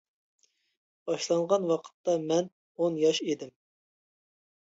باشلانغان ۋاقىتتا مەن ئون ياش ئىدىم.